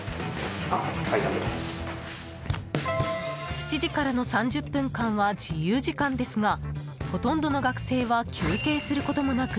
７時からの３０分間は自由時間ですがほとんどの学生は休憩することもなく